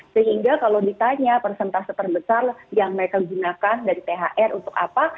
sehingga kalau ditanya persentase terbesar yang mereka gunakan dari thr untuk apa